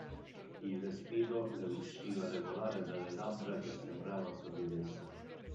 Il respiro le usciva regolare dalle labbra, che sembrava sorridessero.